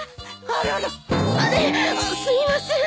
あっすいません！